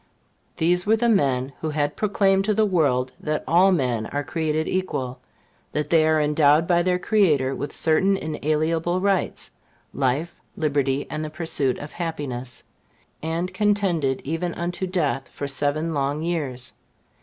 These were the men who had proclaimed to the world that all men were created equal; that they were endowed by their Creator with certain inalienable rights life, liberty, and the pursuit of happiness; and contended even unto death for seven long years.